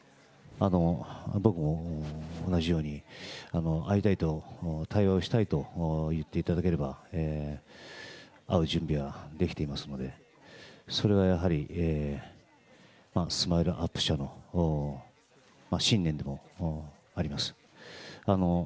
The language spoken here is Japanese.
僕も同じように、会いたいと、対話をしたいと言っていただければ、会う準備はできていますので、それがやはり、スマイルアップ社の信念でもあります。